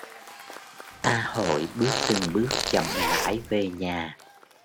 A hội bước từng bước chậm rãi về nhà